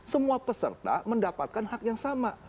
semua peserta mendapatkan hak yang sama